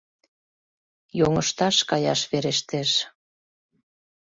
Йоҥышташ каяш верештеш.